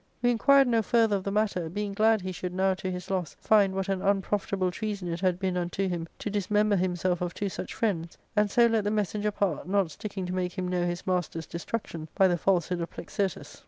We inquired no further of the matter, being glad he should now to his loss find what an unprofitable treason it had been unto him to dismember himself of two such friends, and so let the messenger part, not sticking to make him know his masters' destruction by the falsehood of Plexirtus.